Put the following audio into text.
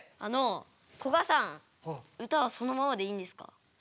こがさん歌はそのままでいいんですか？